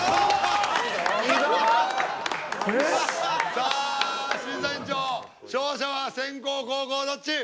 さあ審査委員長勝者は先攻後攻どっち？